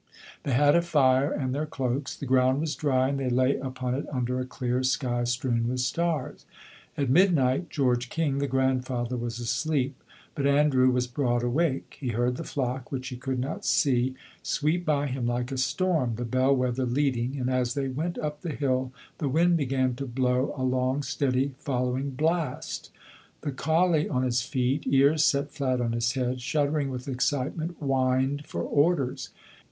They had a fire and their cloaks; the ground was dry, and they lay upon it under a clear sky strewn with stars. At midnight George King, the grandfather, was asleep, but Andrew was broad awake. He heard the flock (which he could not see) sweep by him like a storm, the bell wether leading, and as they went up the hill the wind began to blow, a long, steady, following blast. The collie on his feet, ears set flat on his head, shuddering with excitement, whined for orders.